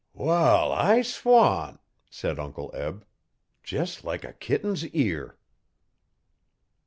'Wall, I swan!' said Uncle Eb. 'Jes' like a kitten's ear!'